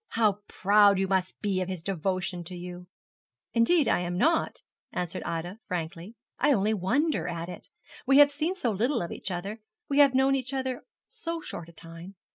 'How proud you must be of his devotion to you!' 'Indeed I am not,' answered Ida, frankly. 'I only wonder at it. We have seen so little of each other; we have known each other so short a time.'